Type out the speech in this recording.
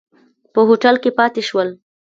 په هوټل کې پاتې شول.